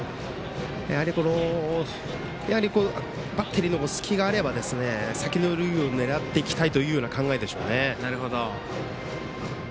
やはりバッテリーの隙があれば先の塁を狙っていきたいという考えでしょうね。